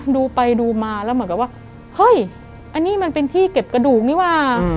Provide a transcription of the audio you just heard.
ดูไปดูมาแล้วเหมือนกับว่าเฮ้ยอันนี้มันเป็นที่เก็บกระดูกนี่ว่า